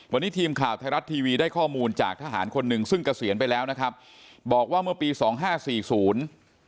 วันนี้ทีมข่าวไทยรัฐทีวีได้ข้อมูลจากทหารคนหนึ่งซึ่งเกษียณไปแล้วนะครับบอกว่าเมื่อปีสองห้าสี่ศูนย์